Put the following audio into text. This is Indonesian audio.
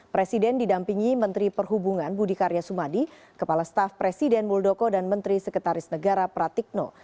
presiden didampingi menteri perhubungan budi karya sumadi kepala staf presiden muldoko dan menteri sekretaris negara pratikno